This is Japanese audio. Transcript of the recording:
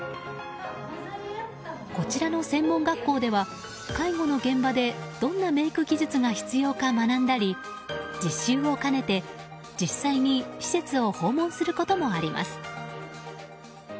こちらの専門学校では介護の現場でどんなメイク技術が必要か学んだり実習を兼ねて、実際に施設を訪問することもあります。